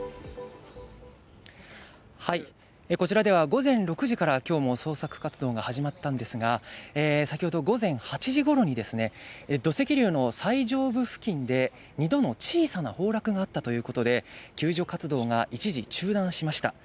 こちらは午前６時から捜索活動が始まったんですが、先ほど午前８時頃に土石流が最上部付近で２度の小さな崩落があったということで救助活動が一時中断しました。